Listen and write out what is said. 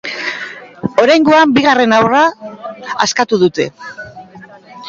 Oraingoan bigarren haurra askatu dute.